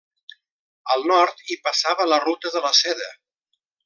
Al nord, hi passava la ruta de la Seda.